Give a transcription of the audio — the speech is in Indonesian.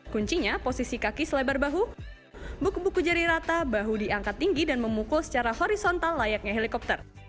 kuncinya posisi kaki selebar bahu buku buku jari rata bahu diangkat tinggi dan memukul secara horizontal layaknya helikopter